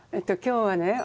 今日はね